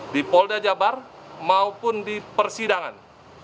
di poljajabar maupun di persidangan